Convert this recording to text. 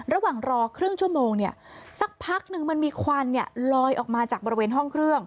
ระหว่างรอครึ่งชั่วโมงเนี่ยสักพักนึงมันมีควันลอยออกมาจากบริเวณห้องเครื่อง